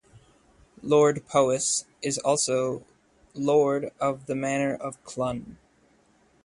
Lord Powis is also Lord of the Manor of Clun.